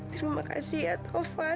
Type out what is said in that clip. terima kasih ya tovan